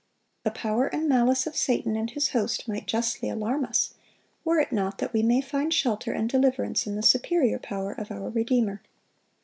The power and malice of Satan and his host might justly alarm us, were it not that we may find shelter and deliverance in the superior power of our Redeemer.